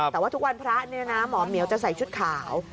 แต่ว่าทุกวันพระเนี่ยนะหมอเหมียวจะใส่ชุดขาว